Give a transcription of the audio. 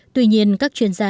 tuy nhiên các chuyên gia